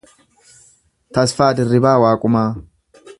Tasfaa Dirribaa Waaqumaa